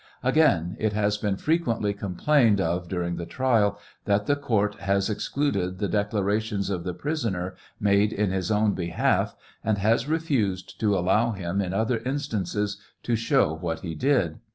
Again, it has been frequently complained of during the trial, that the court has excluded the declarations of the prisoner, made in his own behalf, and has refused to allow him in other instances to show what he did.